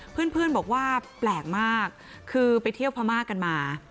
เพื่อนบอกว่าแปลกมากคือไปเที่ยวพม่ากันมา